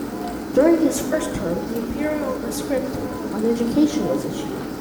During his first term, the "Imperial Rescript on Education" was issued.